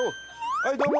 はいどうも！